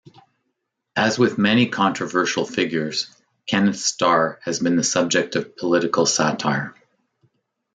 As with many controversial figures, Kenneth Starr has been the subject of political satire.